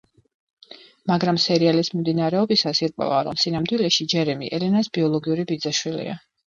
მაგრამ სერიალის მიმდინარეობისას ირკვევა რომ სინამდვილეში ჯერემი ელენას ბიოლოგიური ბიძაშვილია.